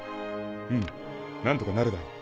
フム何とかなるだろう。